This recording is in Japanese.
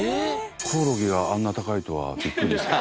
コオロギがあんな高いとはビックリですね。